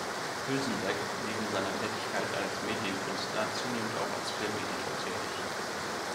Huelsenbeck neben seiner Tätigkeit als Medienkünstler zunehmend auch als Filmeditor tätig.